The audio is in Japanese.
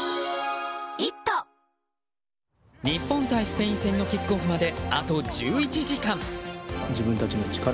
日本対スペイン戦のキックオフまであと１１時間。